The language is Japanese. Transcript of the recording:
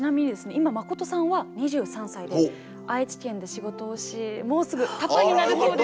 今マコトさんは２３歳で愛知県で仕事をしもうすぐパパになるそうです。